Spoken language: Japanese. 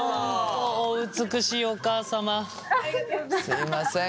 すいません。